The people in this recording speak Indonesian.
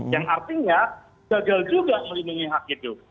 yang artinya gagal juga melindungi hak hidup